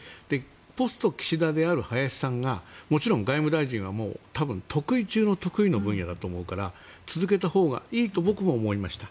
ポスト岸田である林さんがもちろん外務大臣は得意中の得意の分野だと思うから続けたほうがいいと僕も思いました。